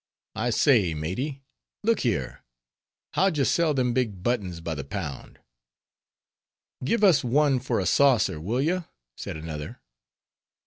I say, maty—look here—how d'ye sell them big buttons by the pound?" "Give us one for a saucer, will ye?" said another.